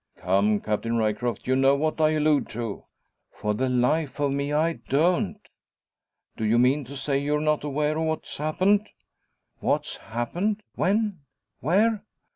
"Come, Captain Ryecroft; you know what I allude to?" "For the life of me I don't." "Do you mean to say you're not aware of what's happened?" "What's happened! When? Where?"